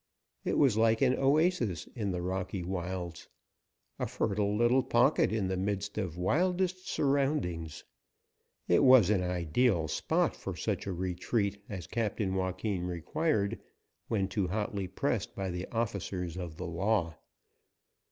It was like an oasis in the rocky wilds. A fertile little pocket in the midst of wildest surroundings, it was an ideal spot for such a retreat as Captain Joaquin required when too hotly pressed by the officers of the law.